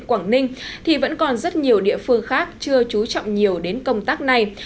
quảng ninh thì vẫn còn rất nhiều địa phương khác chưa trú trọng nhiều đến công tác này